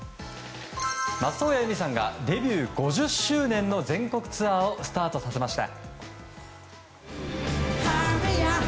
松任谷由実さんがデビュー５０周年の全国ツアーをスタートさせました。